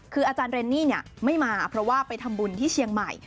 คืออาจารย์เรนนี่ไม่มาเพราะว่าไปทำบุญที่เชียงใหม่